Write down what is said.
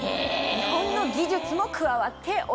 日本の技術も加わっております。